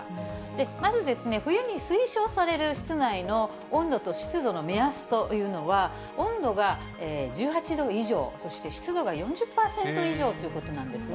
まず冬に推奨される室内の温度と湿度の目安というのは、温度が１８度以上、そして湿度が４０％以上ということなんですね。